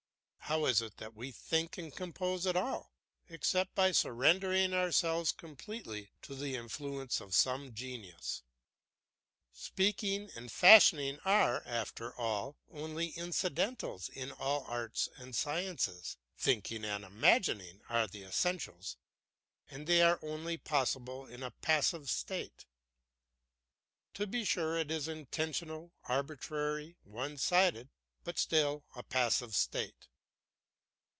How is it that we think and compose at all, except by surrendering ourselves completely to the influence of some genius? Speaking and fashioning are after all only incidentals in all arts and sciences; thinking and imagining are the essentials, and they are only possible in a passive state. To be sure it is intentional, arbitrary, one sided, but still a passive state.